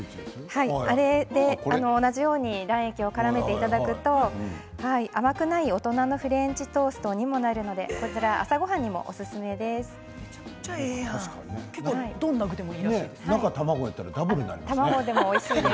あれで同じように卵液をからめていただくと甘くない大人のフレンチトーストにもなるんで朝ごはんにも、おすすめです。